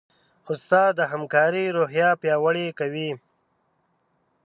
استاد د همکارۍ روحیه پیاوړې کوي.